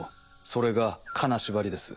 それが金縛りです。